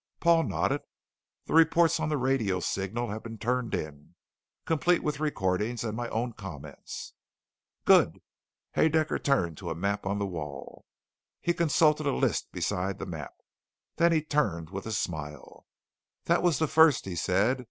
Paul nodded. "The reports on the radio signal have been turned in, complete with recordings and my own comments." "Good." Haedaecker turned to a map on the wall. He consulted a list beside the map. Then he turned with a smile. "That was the first," he said.